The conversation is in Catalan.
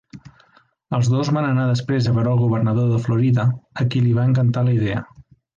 Els dos van anar després a veure el Governador de Florida, a qui li va encantar la idea.